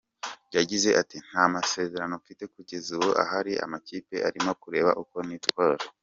Yagize ati “Nta masezerano mfite kugeza ubu ahari amakipe arimo kureba uko nitwara.